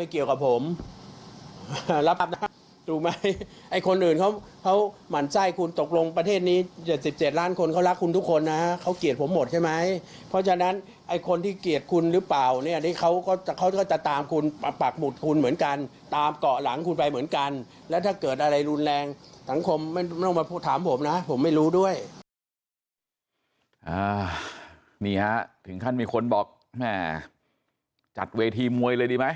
นี่ฮะถึงขั้นมีคนบอกแม่จัดเวทีมวยเลยดีไหม